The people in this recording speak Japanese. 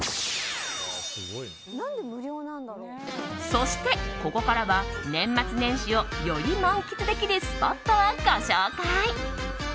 そして、ここからは年末年始をより満喫できるスポットをご紹介。